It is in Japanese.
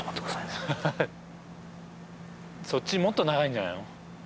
そっちもっと長いんじゃないの？